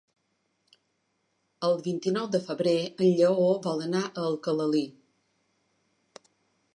El vint-i-nou de febrer en Lleó vol anar a Alcalalí.